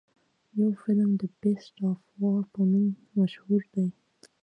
يو فلم The Beast of War په نوم مشهور دے.